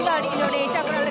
tamiz dari bawah saya